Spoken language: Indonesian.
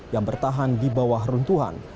yang bertahan di bawah runtuhan